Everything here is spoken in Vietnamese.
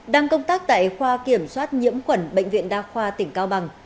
đang công tác tại khoa kiểm soát nhiễm quẩn bệnh viện đa khoa tỉnh cao bằng